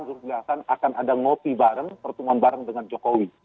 akan ada ngopi bareng pertemuan bareng dengan jokowi